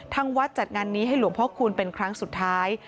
ทางวัดจัดงานนี้ให้หลวงพ่อคูณเป็นครั้งสุดท้าย